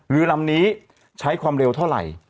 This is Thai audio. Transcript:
เรือลำนี้ใช้ความเร็วเท่าไหร่